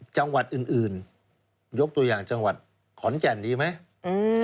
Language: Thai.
จังหวัดอื่นอื่นยกตัวอย่างจังหวัดขอนแก่นดีไหม